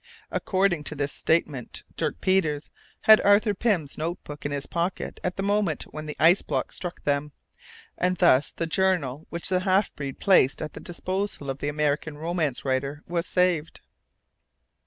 According to this statement, Dirk Peters had Arthur Pym's note book in his pocket at the moment when the ice block struck them, and thus the journal which the half breed placed at the disposal of the American romance writer was saved.